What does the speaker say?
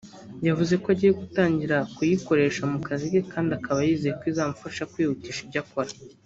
yavuze ko agiye gutangira kuyikoresha mu kazi ke kandi akaba yizeye ko izamufasha kwihutisha ibyo akora